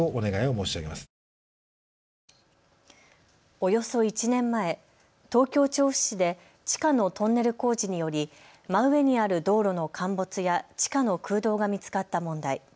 およそ１年前、東京調布市で地下のトンネル工事により真上にある道路の陥没や地下の空洞が見つかった問題。